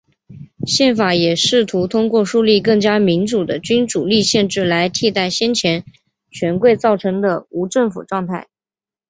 宪法也试图通过树立更加民主的君主立宪制来替代先前权贵造成的无政府状态。